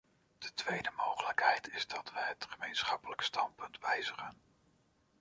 De tweede mogelijkheid is dat wij het gemeenschappelijk standpunt wijzigen.